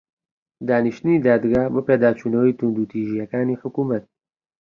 دانیشتنی دادگا بۆ پێداچوونەوەی توندوتیژییەکانی حکوومەت